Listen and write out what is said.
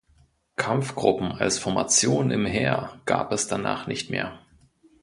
Kampfgruppen als Formation im Heer gab es danach nicht mehr.